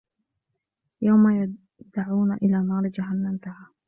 يَومَ يُدَعّونَ إِلى نارِ جَهَنَّمَ دَعًّا